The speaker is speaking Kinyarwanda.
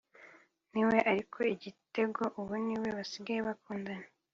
niwe ariko Igitego ubu niwe basigaye bakundana